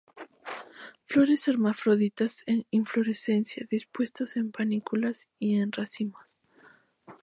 Flores hermafroditas en inflorescencias dispuestas en panículas y en racimos.